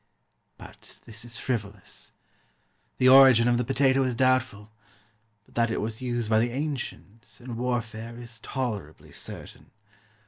But this is frivolous. The origin of the potato is doubtful; but that it was used by the ancients, in warfare, is tolerably certain.